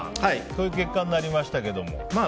こういう結果になりましたが。